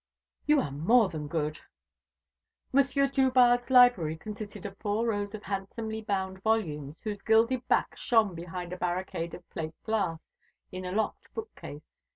"You are more than good." Monsieur Drubarde's library consisted of four rows of handsomely bound volumes, whose gilded backs shone behind a barricade of plate glass, in a locked bookcase.